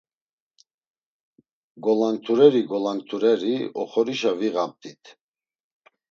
Golanktureri golanktureri oxorişa viğamt̆it.